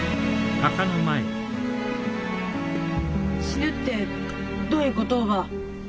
死ぬってどういうこと？